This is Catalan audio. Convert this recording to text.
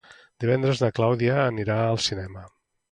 Divendres na Clàudia anirà al cinema.